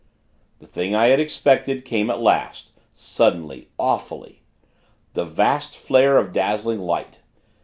'The thing I had expected, came at last suddenly, awfully. A vast flare of dazzling light.